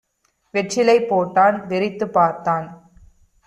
வெற்றிலை போட்டான். வெறித்துப் பார்த்தான்.